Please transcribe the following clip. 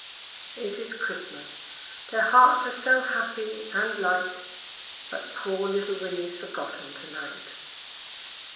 It is Christmas; their hearts are so happy and light But poor little Winnie's forgotten to night.